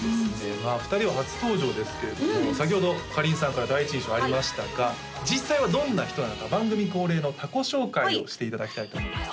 まあ２人は初登場ですけれども先ほどかりんさんから第一印象ありましたが実際はどんな人なのか番組恒例の他己紹介をしていただきたいと思います